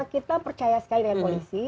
kita percaya sekali dengan polisi